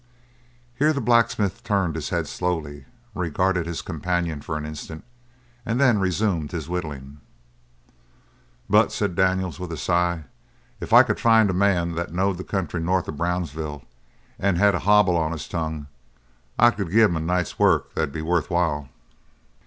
Here the blacksmith turned his head slowly, regarded his companion for an instant, and then resumed his whittling. "But," said Daniels, with a sigh, "if I could find a man that knowed the country north of Brownsville and had a hobble on his tongue I could give him a night's work that'd be worth while."